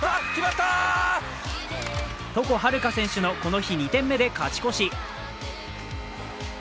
床秦留可選手の、この日２点目で勝ち越し。